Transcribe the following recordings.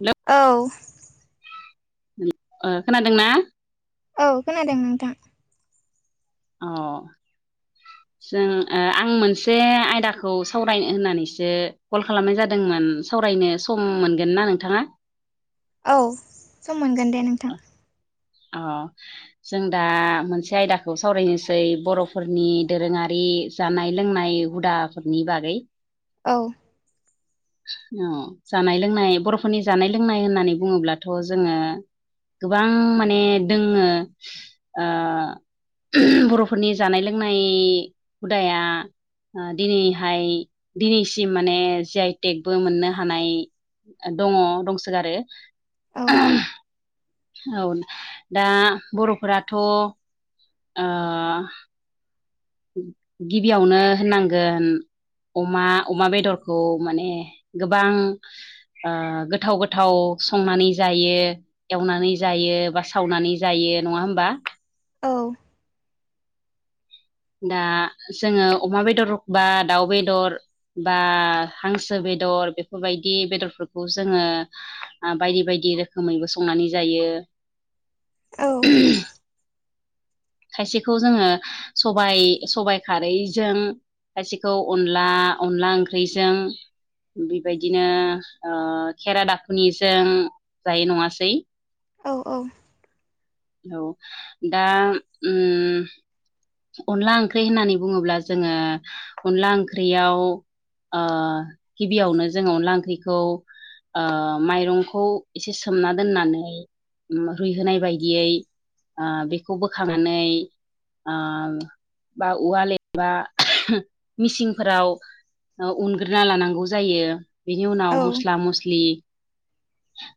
न औ खोनादोंना औ खोनादों नोंथां अ जों आं मोनसे आयदाखौ सावरायनो होननानैसो कल खालामनाय जादोंमोन सावरायनो सम मोनगोन ना नोंथाङा औ सम मोनगोन दे नोंथां। अ जों दा मोनसे आयदाखौ सावरायनोसै बर'फोरनि दोरोङारि जानाय लोंनाय हुदाफोरनि बागै औ [inaudible] औ जानाय लोंनाय बर'फोरनि जानाय लोंनाय होननानै बुङोब्लाथ' जोङो गोबां माने दोङो। बर'फोरनि जानाय लोंनाय हुदाया दिनैहाय दिनैसिम माने ज आइ टेकबो मोननो हानाय दङ दंसोगारो। औ औ दा बर'फोराथ' आ गिबियावनो होननांगोन अमा अमा बेदरखौ माने गोबां गोथाव गोथाव संनानै जायो। एवनानै जायो बा सावनानै जायो नङा होमबा। औ दा जोङो अमा बेदर बा दाउ बेदर बा हांसो बेदर बेफोरबायदि बेदरफोरखौ जोङो बायदि बायदि रोखोमैबो संनानै जायो औ खायसेखौ जोङो सबाय सबाय खारैजों खायसेखौ अनला अनला ओंख्रिजों बेबायदिनो खेरा दाखुनिजों जायो नङासै औ औ औ दा उम अनला ओंख्रि होननानै बुङोब्ला जोङो अनला ओंख्रियाव गिबियावनो जोंङो अनला ओंख्रिखौ माइरंखौ एसे सोमना दोननानै रुइहोनाय बायदियै बेखौ बोखांनानै बा औवा लेबा मिसिंफोराव उनग्रोना लानांगौ जायो बेनि उनाव औ मस्ला मस्लि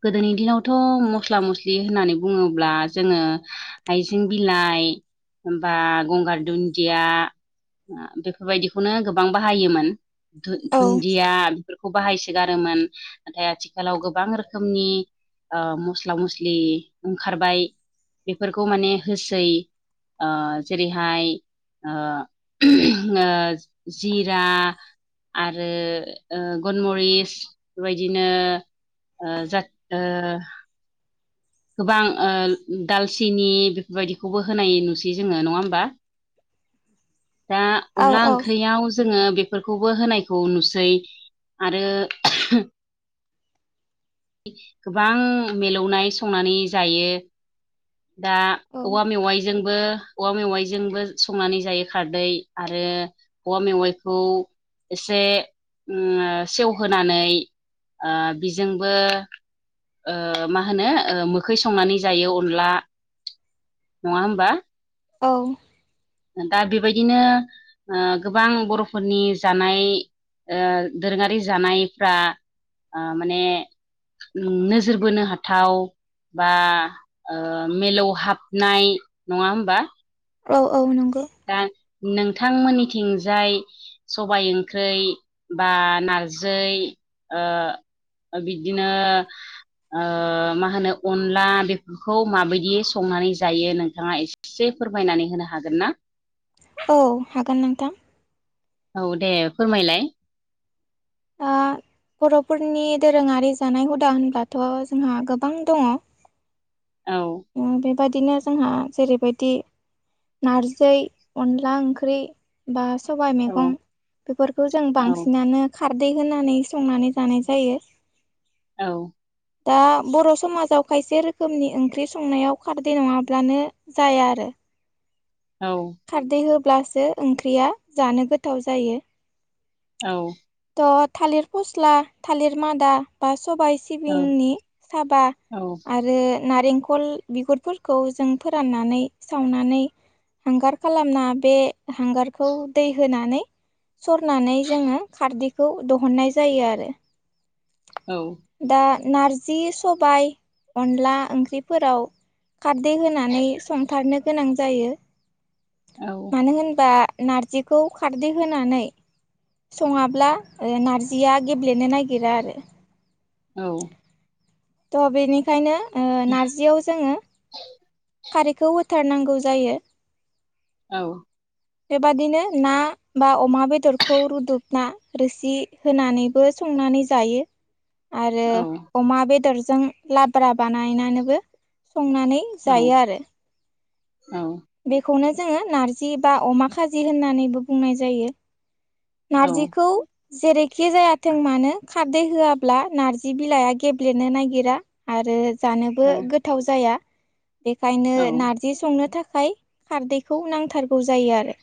गोदोनि दिनावथ' मस्ला मस्लि होननानै बुङोब्ला जोङो हइजें बिलाइ हबा गंगार दुन्दिया बेफोरबायदिखौनो गोबां बाहायोमोन। दुन्दिया बेफोरखौ बाहायसोगारोमोन नाथाय आथिखालाव गोबां रोखोमनि मस्ला मस्लि ओंखारबाय बेफोरखौ माने होसै जेरैहाय जिरा आरो गनमरिस बेबायदिनो जा गोबां दालसिनि बेफोरबायदिखौबो होनाय नुसै जोङो नङा होमबा। दा अनला ओंख्रियाव जोङो बेफोरखौबो होनायखौ नुसै आरो। गोबां मिलौनाय संनानै जायो। दा औवा मेवाइजों बो औवा मेवाइजोंबो संनानै जायो खारदै आरो औौवा मेवाइखौ एसे सेवहोनानै ओ बिजोंबो मा होनो मोखै संनानै जायो अनला नंङा होमबा औ दा बेबायदिनो गोबां बरफोरनि जानाय दोरोंङारि जानायफ्रा माने नोजोर बोनो हाथाव बा मिलौहाबनाय नंङा होमबा। औ औ नोंगौ। दा नोंथां मोननि थिंजाय सबाय ओंख्रै बा नारजै बिदिनो ओ मा होनो अनला बेफोरखौ माबायदि संनानै जायो नोंथांङा एसे- एसे फोरमायनानै होनो हागोन ना औ हागोन नोंथां औ दे फोरमायलाय ओ [unintelligible] बरफोरनि दोरोंङारि जानाय हुदा होनब्लाथ जोंहा गोबां दंङ औ बेबादिनो जोंहा जेरैबायदि नारजै अनला ओंख्रि बा सबाय औ मैगं बेफोरखौ जों औ बांसिनानो खारदै होनानै संनानै जानाय जायो औ दा बर समाजाव खायसे रोखोमनि ओंख्रै संनायाव खारदै नंङाब्लानो जाया आरो औ खारदै होब्लासो ओंख्रिया जानो गोथाव जायो औ तह थालिर फस्ला थालिर मादा बा सबाय औ सिबिंनि साबा औ आरो नारेंखल बिगुरफोरखौ जों फोराननानै सावनानै हांगार खालामना बे हांगारखौ दै होनानै सरनानै जोंङो खारदैखौ दहननाय जायो आरो औ दा नारजि सबाय अनला ओंख्रिफोराव खारदै होनानै संथारनो गोनां जायो औ मानो होनबा नारजिखौ खारदै होनानै संङाब्ला नारजिया गेब्लेनो नागिरा आरो औ त बेनिखायनो नारजियाव जोंङो खारैखौ होथारनांगौ जायो औ बेबादिनो ना बा अमा बेदरखौ रुदुबना रोसि होनानैबो संनानै जायो [unintelligible] आरो अमा बेदरजों लाब्रा बानाय नानैबो संनानै औ जायो आरो औ बेखौनो जोंङो नारजि बा अमा खाजि होननानैबो बुंनाय जायो औ नारजिखौ जेरैखि जायाथों मानो खारदै होआब्ला नार्जि बिलाइआ गेब्लेनो नागिरा। आरो औ जानोबो गोथाव जाया बेखायनो औ न जि संनो थाखाय खारदैखौ नांथारगौ जायो आरो।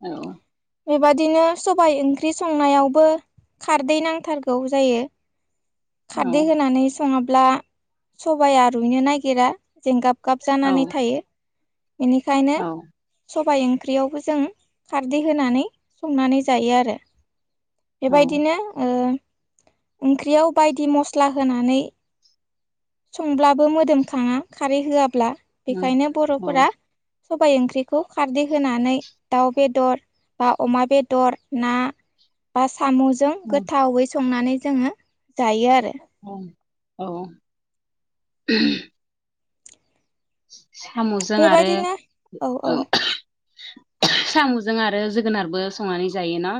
औ। बेबादिनो सबबाय ओंख्रि संनायावबो खारदै नांथारगौ जायो। औ खारदै होनानै सङाब्ला सबाया रुइनो नागिरा जेंगाब- गाब औ जानानै थायो इनिखायनो औ सबाय ओंख्रियावबो जों खारदै होनानै संनानै जायो आरो औ बेबायदिनो ओंख्रियाव बायदि मस्ला होनानै संब्लाबो मोदोमखाङा खारै होआब्ला बेखायनो बर'फोरा सबाय ओंख्रिखौ खारदै होनानै दाउ बेदर बा अमा बेदर ना बा सामुस जों औ गोथावावै संनानै जोङो जायो आरो। औ औ। साम'जों आरो बेबायदिनो औ। साम'जों आरो जोगोनारबो संनानै जायो ना।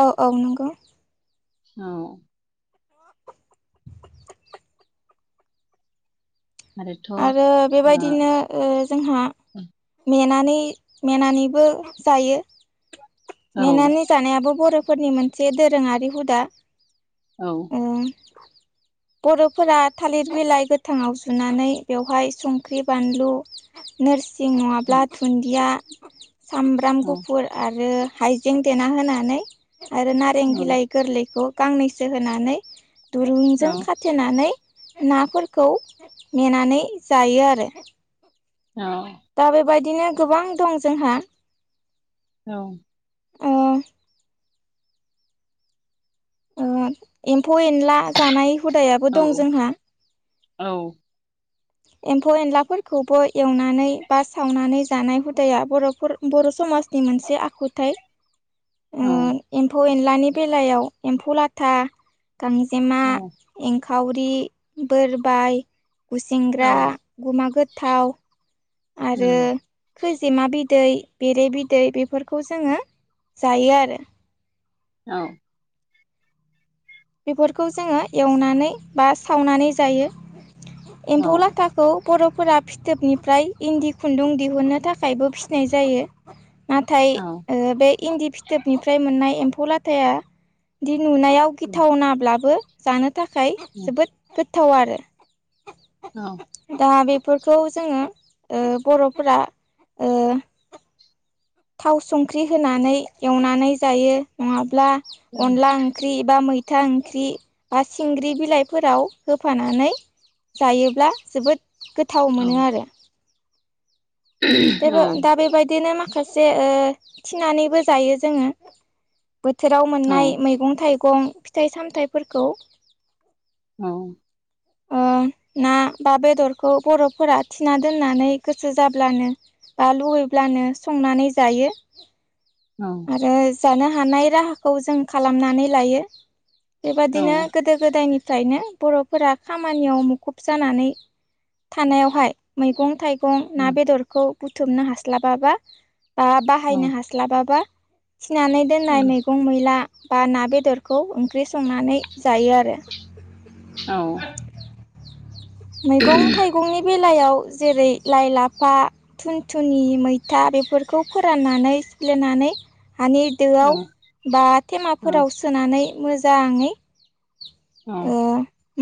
औ औ नंगौ। औ आरोथ' ओ आरो औ बेबायदिनो। ओ जोंहा मेनानै मेनानैबो जायो। औ मेनानै जानायाबो बर'फोरनि मोनसे दोरोङारि हुदा। औ। उम। बर'फोरा थालिर बिलाइ गोथाङाव जुनानै बेवहाय संख्रि बानलु। नोरसिं नङाब्ला दुन्दिया सामब्राम औ गुफुर आरो। हाइजें देना होनानै आरो नारें बिलाइ गोरलैखौ गांनैसो होनानै। औ दुरुंजों खाथेनानै नाफोरखौ नेेनानै जायो आरो। औ। दा बेबायदिनो गोबां दं जोंहा। औ ओ एम्फौ एनला जानाय हुदायाबो औ दं जोंहा। औ। एम्फौ एनलाफोरखौबो एवनानै बा सावनानै जानाय हुदाया बर'फोर। बर' समाजनि मोनसे आखुथाइ। एम्फौ एनलानि बेलायाव एम्फौ लाथा गांजेमा। औ। एंखावरि बोरबाय गुसेंग्रा औ गुमा गोथाव। आरो उम खोजिमा बिदै बेरे बिदै बेफोरखौ जोङो जायो आरो। औ। बेफोरखौ जोङो एवनानै बा सावनानै जायो औ एम्फौ लाथा खौ बर'फोरा फिथोबनिफ्राय इन्दि खुन्दुं दिहुननो थाखायबो फिनाय जायो। नाथाय बे इन्दि फिथोबनिफ्राय मोननाय एम्फौ लाथाया दि नुनायाव उम गिथाव नाब्लाबो जानो थाखाय उम जोबोद गोथाव आरो। औ दा बेफोरखौ जोङो बर'फोरा थाव संख्रि होनानै एवनानै जायो नङाब्ला अनदला। ओंख्रि बा मैथा ओंख्रि बा सिंग्रि बिलाइफोराव होफानानै जायोब्ला जोबोद औ गोथाव मोनो आरो। बेबो दा बेबायदिनो माखासे थिनानैबो जायो जोङो। बोथोराव मोननाय मैगं थाइगं फिथाइ सामथाइफोरखौ। औ। ओ ना बा बेदरखौ बर'फोरा थिना दोननानै गोसो जाब्लानो बा लुुबैब्लानो संनानै जायो। औ। औ आरो जानो हानाय राहाखौ जों खालामनानै लायो। बेबादिनो गोदो गोदायनिफ्रायनो बर'फोरा खामानियाव मुखुब जानानै थानायावहाय मैगं थाइगं ना बेदरखौ बुथुमनो हास्लाबाबा बा बाहायनो हास्लाबाबा थिनानै दोननाय मैगं मैला बा ना बेदरखौ ओंख्रि संनानै जायो आरो। औ। मैगं थाइगंनि बेलायाव जेरै लाइ, लाफा थुनथुनि, मैथा बेफोरखौ फोराननानै सिफ्लेनानै हानि दोआव बा थेमाफोराव सोनानै मोजाङै औ। ओ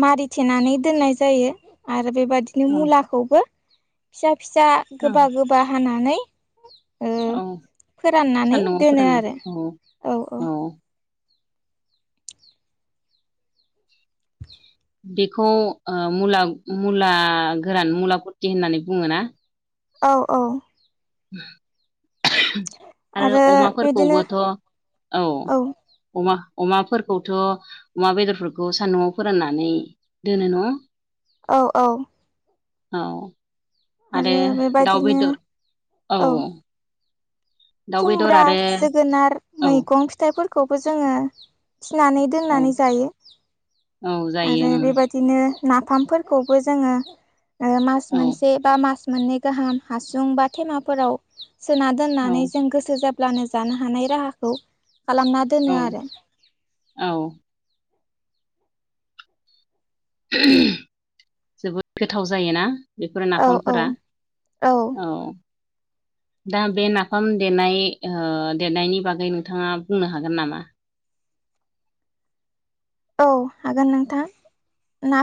मारिथेनानै दोननाय जायो आरो बेबादिनो मुलाखौबो फिसा फिसा गोबा गोबा हानानै ओ फोराननानै सान्दुंआव दोनो फोरानो आरो औ औ। औ-औ बेखौ ओ मुला मुला गोरान मुलाफुरति होननानै बुङोना? औ औ। आरो अमाफोरखौबोथ' औ। औ अमा अमाफोरखौथ' अमा बेदरफोरखौ सान्दुंआव फोराननानै दोनो नङा औ औ। औ आरो दाउ बेदर औ। दाउ बेदर खुमब्रा आरो जोगोनार मैगं फिथाइफोरखौबो जोङो फिनानै दोननानै औ-औ-औ जायो जायो आरो बेबाय दिनो नाफामफोरखौबो जोङो ओ मास ओं मोनसे बा मास मोननै गाहाम हासुं बा थेमाफोराव सोना दोननानै जों गोसो जाब्लानो जानो हानाय राहाखौ खालामना दोनो औ आरो औ। जोबोद गोथाव जायोना? बेफोरो औ औ नाफामफोरा औ। दा बे नाफाम देनाय ओ देनायनि बागै नोंथाङा बुंनो हागोन नामा? औ हागोन नोंथां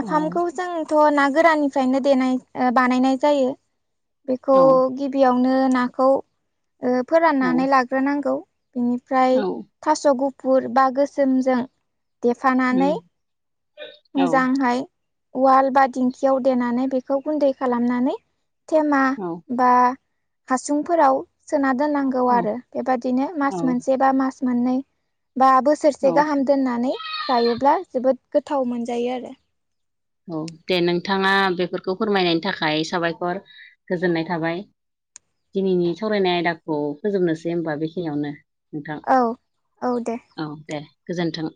औ जोंथ' ना गोराननिफ्रायनो देनाय बानायनाय जायो बेखौ औ गि बियावनो नाखौ फोराननानै औ लाग्रोनांगौ बिनिफ्राय औ थास' गुफुर बा गोसोमजों उम देफानानै औ मोजांहाय वाल बा दिंखियाव देनानै बेखौ गुन्दै खालामनानै थेमा औ बा हासुंफोराव सोना दोननां गौ औ आरो बेबादिनो औ मास मोनसे बा मास मोननै बा बोसोरसे औ गाहाम दोननानै जायोब्ला जोबोद गोथाव मोनजायो आरो। औ दे नोंथाङा बेफोरखौ फोरमायनायनि थाखाय साबायखर गोजोननाय थाबाय। दिनैनि सावरायनाय आयदाखौ फोजोबनोसै होमबा बेखिनियावनो नोंथां। औ औ दे। औ दे गोजोन्थों।